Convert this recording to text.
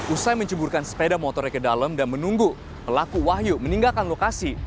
usai menceburkan sepeda motornya ke dalam dan menunggu pelaku wahyu meninggalkan lokasi